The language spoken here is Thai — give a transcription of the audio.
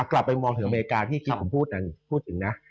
กลับไปมองถึงอเหมาคาที่กินผมพูดถึงนะ